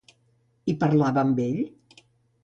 I parlava amb ell?